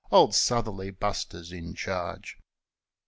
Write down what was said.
Old Southerly Buster's in charge.